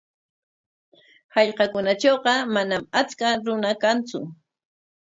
Hallqakunatrawqa manam achka runa kantsu.